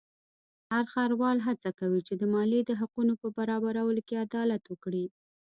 هر ښاروال هڅه کوي چې د مالیې د حقونو په برابرولو کې عدالت وکړي.